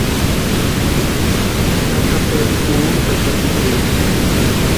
Tata Pedru urhuntʼaxati trigu.